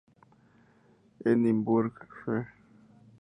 Edinburgh; Fl.